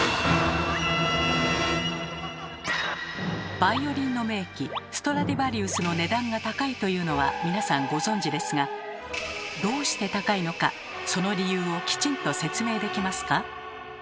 バイオリンの名器ストラディヴァリウスの値段が高いというのは皆さんご存じですがどうして高いのかその理由をきちんと説明できますか？